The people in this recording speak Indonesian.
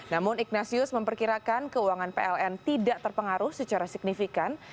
namun ignatius memperkirakan keuangan pln tidak terpengaruh secara signifikan